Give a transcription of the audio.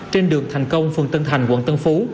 trên đường thành công phường tân thành quận tân phú